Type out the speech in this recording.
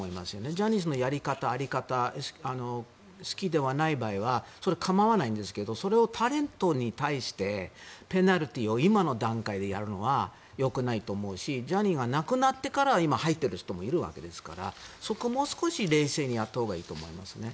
ジャニーズのやり方、在り方好きではない場合はそれは構わないですがそれをタレントに対してペナルティーを今の段階でやるのはよくないと思うしジャニーが亡くなってから入っている人もいるわけですからそこをもう少し冷静にやったほうがいいと思います。